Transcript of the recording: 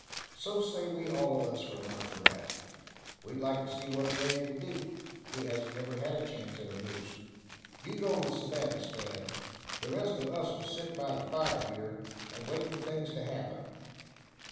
"So say we all of us," remarked Giraffe. "We'd like to see what Thad could do. He hasn't never had a chance at a moose. You go with Sebattis, Thad. The rest of us'll sit by the fire here, and wait for things to happen."